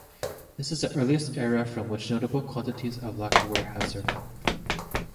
This is the earliest era from which notable quantities of lacquerware have survived.